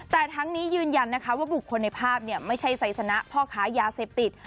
แต่ทั้งนี้ยืนยันนะคะว่าบุคคลในภาพไม่ใช่ไซสนะพ่อค้ายาเสพติด